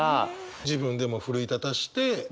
自分でも奮い立たして。ですね。